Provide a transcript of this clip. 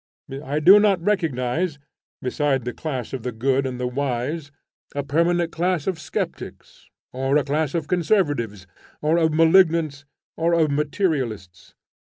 I do not recognize, beside the class of the good and the wise, a permanent class of skeptics, or a class of conservatives, or of malignants, or of materialists.